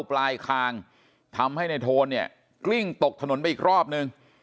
ปลายคางทำให้ในโทนเนี่ยกลิ้งตกถนนไปอีกรอบนึง